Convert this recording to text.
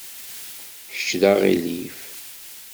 Kečč d aɣilif.